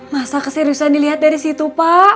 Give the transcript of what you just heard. masa keseriusan dilihat dari situ pak